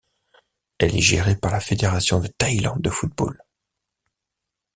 Elle est gérée par la Fédération de Thaïlande de football.